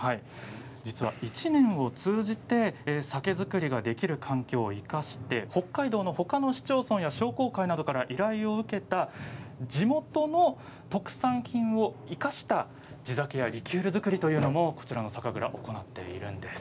実は１年を通じて酒造りができる環境を生かして北海道のほかの市町村や商工会などから依頼を受けた地元の特産品を生かした地酒やリキュール造りというのもこちらの酒蔵、行っているんです。